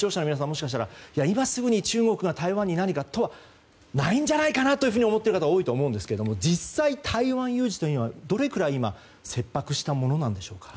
もしかしたら、今すぐに中国が台湾に何かとはないんじゃないかなと思っている方が多いと思うんですが実際、台湾有事というのはどれくらい今切迫したものなんでしょうか。